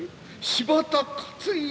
柴田勝家